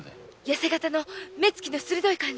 やせ形の目つきの鋭い？